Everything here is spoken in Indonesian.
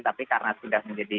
tapi karena sudah menjadi